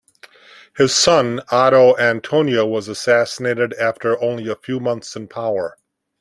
His son, Oddo Antonio, was assassinated after only a few months in power.